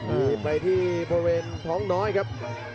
นี่ไปที่บริเวณท้องน้อยครับ